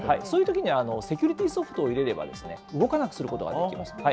そういうときにはセキュリティーソフトを入れれば、動かなくすることができます。